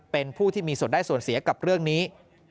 เป็นผู้ที่มีส่วนได้ส่วนเสียกับเรื่องนี้